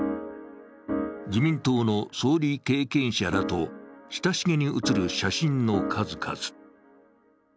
自民党の総理経験者らと親しげに写る写真の数々。